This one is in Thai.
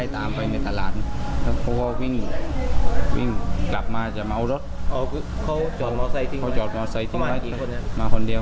แล้วผมไล่ไปส่วนเชี่ยว